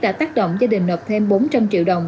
đã tác động gia đình nộp thêm bốn trăm linh triệu đồng